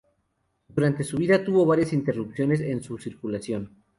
Durante su vida tuvo varias interrupciones en su circulación.